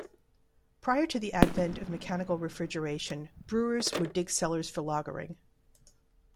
Prior to the advent of mechanical refrigeration, brewers would dig cellars for lagering.